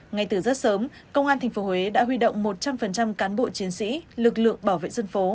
ngay từ rất sớm công an tp huế đã huy động một trăm linh cán bộ chiến sĩ lực lượng bảo vệ dân phố